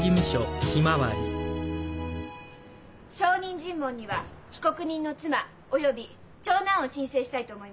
証人尋問には被告人の妻および長男を申請したいと思います。